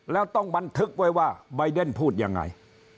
แล้วต้องบันทึกไว้ว่าใบเดนพูดยังไง